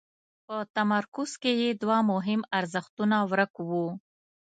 په تمرکز کې یې دوه مهم ارزښتونه ورک وو.